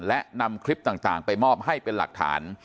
และนำคลิปต่างไปมอบให้เป็นหลักฐาน